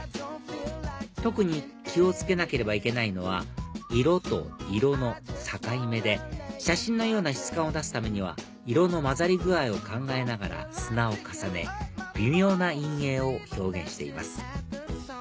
特に気を付けなければいけないのは色と色の境目で写真のような質感を出すためには色の交ざり具合を考えながら砂を重ね微妙な陰影を表現しています